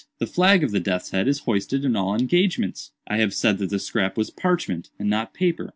The flag of the death's head is hoisted in all engagements. "I have said that the scrap was parchment, and not paper.